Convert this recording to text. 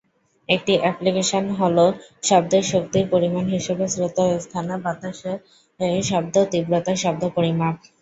একটি অ্যাপ্লিকেশন হ'ল শব্দের শক্তির পরিমাণ হিসাবে শ্রোতার স্থানে বাতাসে শব্দ তীব্রতার শব্দ পরিমাপ।